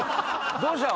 どうしたの？